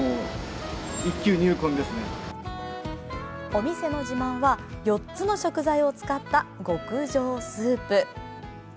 お店の自慢は、４つの食材を使った極上スープ。